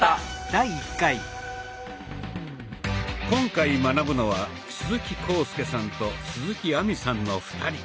今回学ぶのは鈴木浩介さんと鈴木亜美さんの２人。